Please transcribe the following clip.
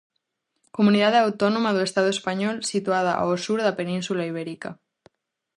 Comunidade Autónoma do estado español, situada ao sur da Península Ibérica.